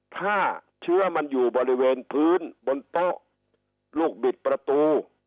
ถ้าเชื้อมันอยู่บริเวณพื้นบนโต๊ะลูกบิดประตู